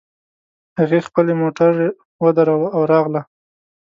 هغې خپلې موټر ودراوو او راغله